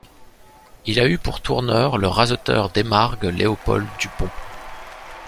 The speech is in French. Il a eu pour tourneur le raseteur d'Aimargues Léopold Dupont.